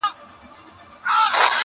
o دنيا خپله لري، روی پر عالم لري.